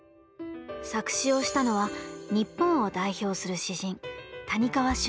作詞をしたのは日本を代表する詩人谷川俊太郎さんです。